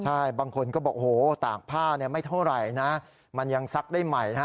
ใช่บางคนก็บอกโอ้โหตากผ้าไม่เท่าไหร่นะมันยังซักได้ใหม่นะฮะ